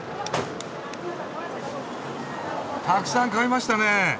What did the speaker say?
たくさん買いましたね。